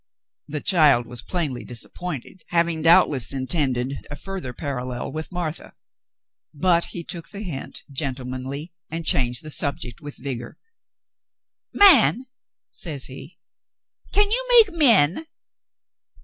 The child was plainly disappointed, having doubt less intended a further parallel with Martha. But he took the hint gentlemanly, and changed the sub ject with vigor. "Man," says he, "can you make men?"